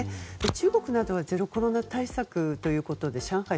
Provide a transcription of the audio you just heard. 中国などはゼロコロナ対策ということで上海